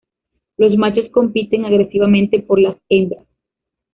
Los machos compiten agresivamente por las hembras.